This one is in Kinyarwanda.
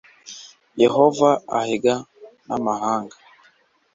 Yehova ahiga n amahanga